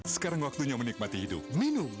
sekarang waktunya menikmati hidup minum